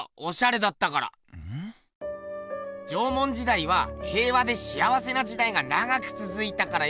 縄文時代は平和でしあわせな時代が長くつづいたからよ